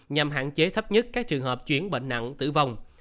nhằm hạn chế thấp nhất các trường hợp chuyển bệnh nặng tử vong